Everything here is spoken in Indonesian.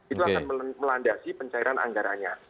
itu akan melandasi pencairan anggaranya